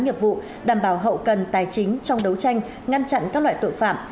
nghiệp vụ đảm bảo hậu cần tài chính trong đấu tranh ngăn chặn các loại tội phạm